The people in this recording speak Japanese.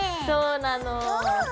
そうなの。